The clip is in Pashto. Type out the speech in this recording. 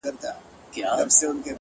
سوله كوم خو زما دوه شرطه به حتمآ منې’